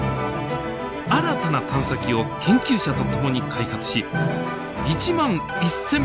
新たな探査機を研究者と共に開発し１万１，０００